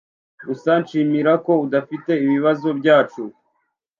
Gusa shimira ko udafite ibibazo byacu.